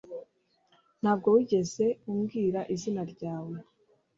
Ntabwo wigeze umbwira izina ryawe